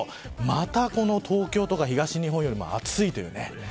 また東京とか東日本よりも暑いというね。